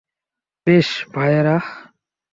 বেশ, ভাইয়েরা।